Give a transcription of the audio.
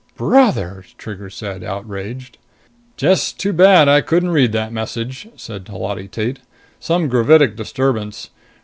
"Brother!" Trigger said, outraged. "Just too bad I couldn't read that message," said Holati Tate. "Some gravitic disturbance!